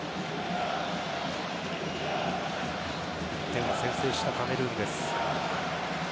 １点先制したカメルーンです。